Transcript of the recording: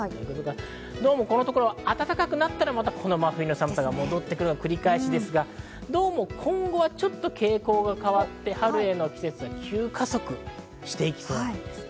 どうもこのところ暖かくなったら、またこの真冬の寒さが戻ってくるの繰り返しですが、どうも今後はちょっと傾向が変わって、春へ急加速していきそうです。